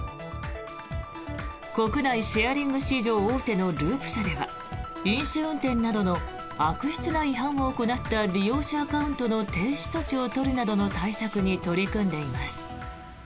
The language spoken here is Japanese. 国内シェアリング市場大手のＬｕｕｐ社では飲酒運転などの悪質な違反を行った利用者アカウントの停止措置を取るなどの対策に取り組んでいます。